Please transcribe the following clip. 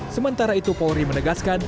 sementara itu polri menegaskan